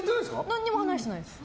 何も話してないです。